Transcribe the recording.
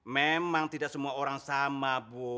memang tidak semua orang sama bu